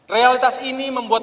realitas ini membuat